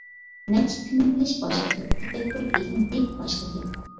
نەچچە تىلنى بىلىش باشقا گەپ، تەپەككۇر، بىلىم، دىت باشقا گەپ.